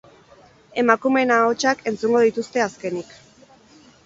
Emakumeen ahotsak entzungo dituzte azkenik.